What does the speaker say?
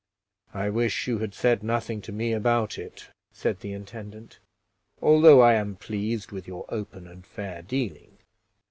"I wish you had said nothing to me about it," said the intendant, "although I am pleased with your open and fair dealing.